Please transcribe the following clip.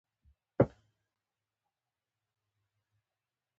فقره مطلب انتقالوي.